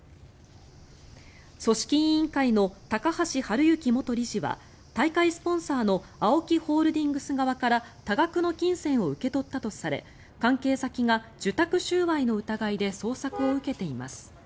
組織委員会の高橋治之元理事は大会スポンサーのＡＯＫＩホールディングス側から多額の金銭を受け取ったとされ関係先が受託収賄の疑いで捜索を受けています。